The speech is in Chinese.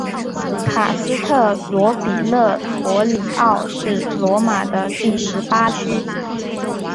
卡斯特罗比勒陀里奥是罗马的第十八区。